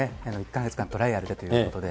１か月間、トライアルでということで。